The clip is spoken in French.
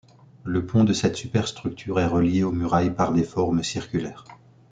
Le pont de cette superstructure est relié aux murailles par des formes circulaires.